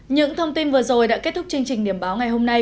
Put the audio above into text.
những thông tin vừa rồi đã kết thúc chương trình điểm báo ngày hôm nay